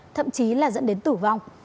thậm chí là dẫn đến tử vong